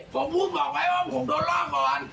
ผมพูดบอกไว้ว่าผมโดนล่อก่อน